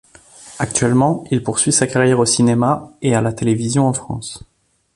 Actuellement, il poursuit sa carrière au cinéma et à la télévision en France.